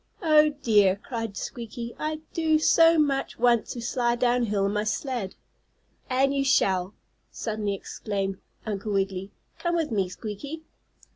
"Oh, dear!" cried Squeaky. "I do so much want to slide down hill on my sled." "And you shall!" suddenly exclaimed Uncle Wiggily. "Come with me, Squeaky."